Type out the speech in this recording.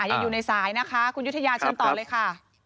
ยังอยู่ในสายนะคะคุณยุธยาเชิญต่อเลยค่ะ